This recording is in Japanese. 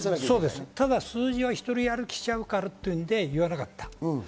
ただ数字が独り歩きしちゃうからというんで、言わなかった。